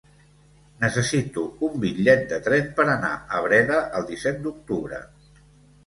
Necessito un bitllet de tren per anar a Breda el disset d'octubre.